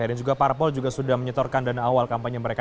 juga parpol juga sudah menyetorkan dana awal kampanye mereka